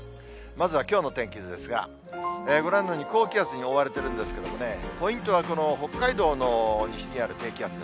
まずはきょうの天気図ですが、ご覧のように、高気圧に覆われているんですけれどもね、ポイントはこの北海道の西にある低気圧です。